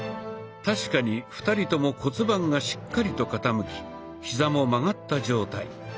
確かに２人とも骨盤がしっかりと傾きヒザも曲がった状態。